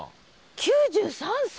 ９３歳！？